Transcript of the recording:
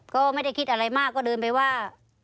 ก็ไม่ได้คิดอะไรมากก็เดินไปว่า